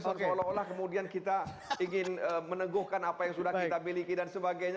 seolah olah kemudian kita ingin meneguhkan apa yang sudah kita miliki dan sebagainya